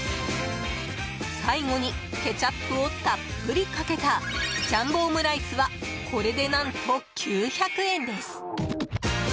最後にケチャップをたっぷりかけたジャンボオムライスはこれで何と、９００円です。